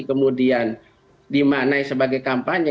kemudian dimanai sebagai kampanye